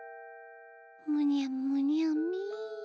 むにゃむにゃみ。